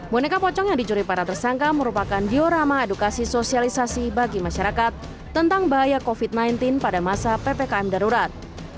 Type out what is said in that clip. boneka pocong yang dicuri para tersangka merupakan diorama edukasi sosialisasi bagi masyarakat tentang bahaya covid sembilan belas pada masa ppkm darurat